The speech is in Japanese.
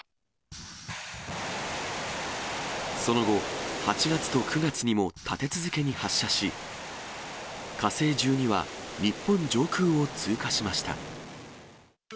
その後、８月と９月にも立て続けに発射し、火星１２は、日本上空を通過しました。